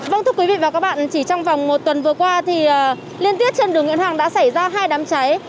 vâng thưa quý vị và các bạn chỉ trong vòng một tuần vừa qua thì liên tiếp trên đường nguyễn hoàng đã xảy ra hai đám cháy